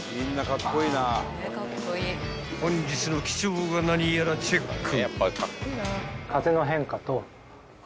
［本日の機長が何やらチェック］